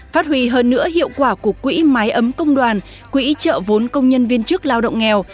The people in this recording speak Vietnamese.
phát huy hơn nữa hiệu quả của quỹ máy ấm công đoàn quỹ trợ vốn công nhân viên chức lao động nghèo